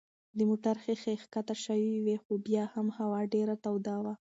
د موټر ښيښې کښته شوې وې خو بیا هم هوا ډېره توده وه.